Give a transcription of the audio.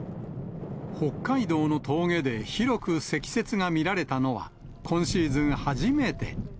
北海道の峠で広く積雪が見られたのは、今シーズン初めて。